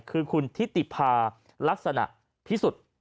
คือคุณทิติภาลักษณะพิสุทธิ์